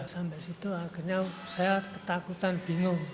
sampai situ akhirnya saya ketakutan bingung